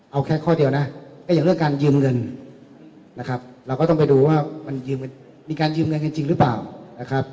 เอาแค่ข้อเดียวนะก็อย่างเรื่องการยืมเงินเราก็ต้องไปดูว่ามีการยืมเงินจริงหรือเปล่า